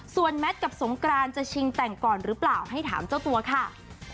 ส่วนแมทกับสงกรานจะชิงแต่งก่อนหรือเปล่าให้ถามเจ้าตัวค่ะ